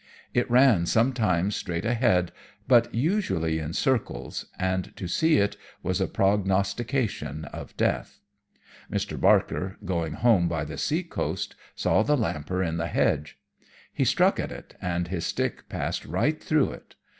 It ran sometimes straight ahead, but usually in circles, and to see it was a prognostication of death. Mr. Barker, going home by the sea coast, saw the Lamper in the hedge. He struck at it, and his stick passed right through it.